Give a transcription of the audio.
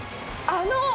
あの。